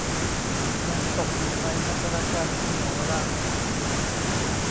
ยังตกอยู่ในพันธนาการที่เหนี่ยวรั้ง